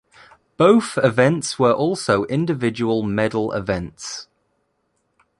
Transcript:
Both events were also individual medal events.